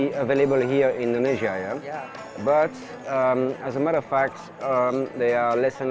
tapi sebagai kesan mereka lebih kurang digunakan oleh orang